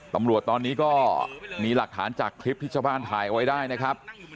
ตำรวจตอนนี้ก็มีหลักฐานจากคลิปที่ชาวบ้านถ่ายเอาไว้ได้นะครับ